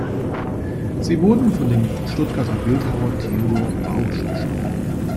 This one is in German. Sie wurden von dem Stuttgarter Bildhauer Theodor Bausch geschaffen.